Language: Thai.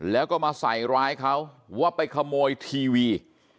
แล้วก็มาใส่ร้ายเขาว่าไปขโมยทีวี